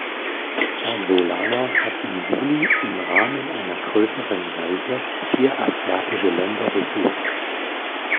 Herr Solana hat im Juli im Rahmen einer größeren Reise vier asiatische Länder besucht.